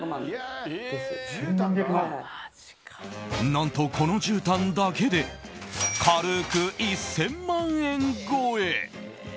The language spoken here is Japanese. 何と、このじゅうたんだけで軽く１０００万円超え。